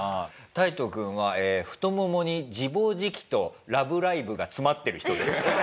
タイト君は太ももに自暴自棄と『ラブライブ！』が詰まってる人です。